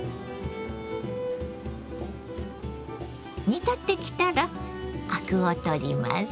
煮立ってきたらアクを取ります。